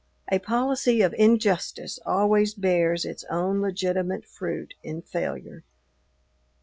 A policy of injustice always bears its own legitimate fruit in failure.